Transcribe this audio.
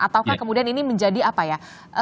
ataukah kemudian ini menjadi apa ya